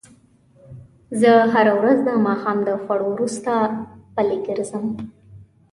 زه هره ورځ د ماښام د خوړو وروسته پلۍ ګرځم